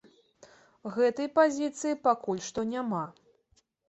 Гэтай пазіцыі пакуль што няма.